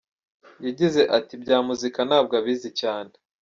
Yagize ati “Ibya muzika ntabwo abizi cyane.